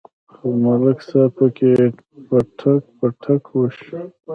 خو ملک صاحب پکې پټک پټک شو.